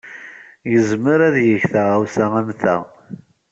Yezmer ad yeg taɣawsa am ta.